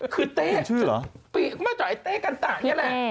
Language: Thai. คือเต้กันตะนี้แหล่ะ